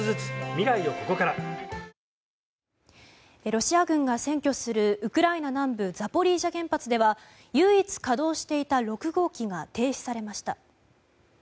ロシア軍が占拠するウクライナ南部ザポリージャ原発では唯一稼働していた６号機が停止されました。